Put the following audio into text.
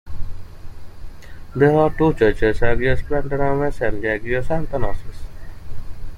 There are two churches, Agios Panteleimonas and Agios Athanasios.